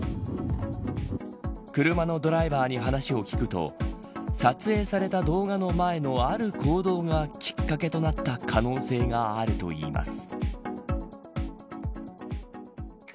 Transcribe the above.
車のドライバーに話を聞くと撮影された動画の前のある行動がきっかけとなった可能性があるといいます。